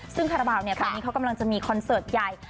ซึ่งคาราบาลเนี่ยตอนนี้เขากำลังจะมีคอนเสิร์ตใหญ่